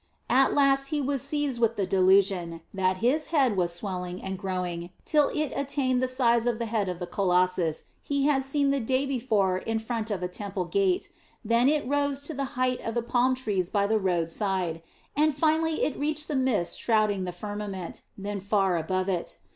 At last he was seized with the delusion that his head was swelling and growing till it attained the size of the head of the colossus he had seen the day before in front of a temple gate, then it rose to the height of the palm trees by the road side, and finally it reached the mist shrouding the firmament, then far above it.